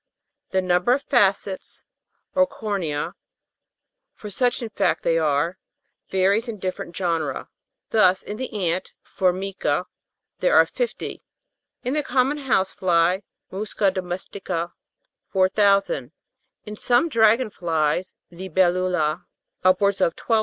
The number of facets, or corneae, for such in fact they are, varies in different genera : thus, in the ant (For'mica) there are 50 ; in the common house fly (Musca domestica) 4,000 ; in some dragon flies (Libellula) upwards of 12,000.